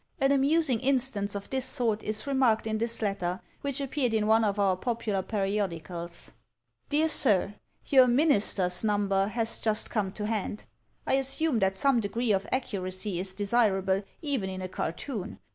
An amusing instance of this sort is remarked in this letter, which appeared in one of our popular period icals: Dear Sir: — Your "Ministers* Number" has just come to hand. I assume that some degree of accuracy is desirable even in a cartoon.